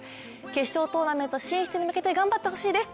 決勝トーナメント進出に向けて頑張ってほしいです。